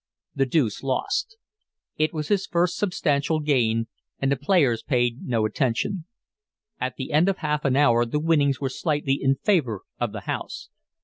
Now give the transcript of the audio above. The deuce lost. It was his first substantial gain, and the players paid no attention. At the end of half an hour the winnings were slightly in favor of the "house."